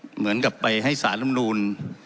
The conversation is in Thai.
เหมือนกับไปให้สารลำนูล